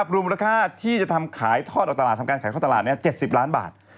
รวมราคาที่จะทำการขายทอดของตลาด๗๐ล้านบาท